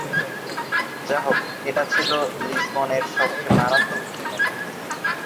যাহোক এটা ছিল লিসবনের সবচেয়ে মারাত্মক ভূমিকম্প।